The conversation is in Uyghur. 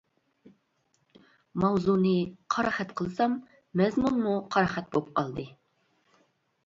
ماۋزۇنى قارا خەت قىلسام، مەزمۇنمۇ قارا خەت بولۇپ قالدى.